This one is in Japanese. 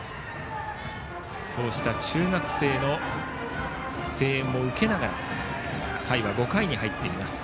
中学生の声援を受けながら回は５回に入っています。